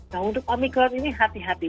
nah untuk omikron ini hati hati